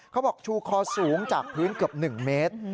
ชูคอสูงจากพื้นเกือบ๑เมตร